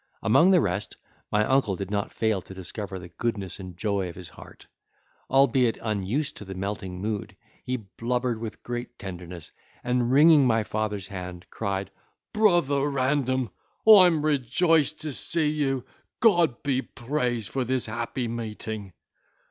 Among the rest, my uncle did not fail to discover the goodness and joy of his heart. Albeit unused to the melting mood, he blubbered with great tenderness, and wringing my father's hand, cried, "Brother Random, I'm rejoiced to see you—God be praised for this happy meeting!"